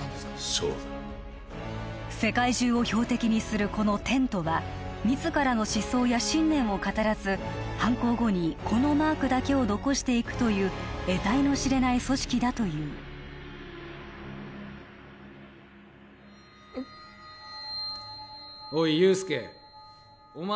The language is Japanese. そうだ世界中を標的にするこのテントは自らの思想や信念を語らず犯行後にこのマークだけを残していくという得体の知れない組織だといううっおい憂助お前